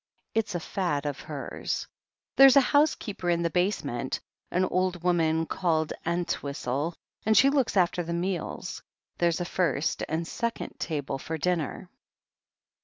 It's a fad of hers. There's a housekeeper in the basement, an old woman called Ent whistle, and she looks after the meals. There's a first and second table for dinner."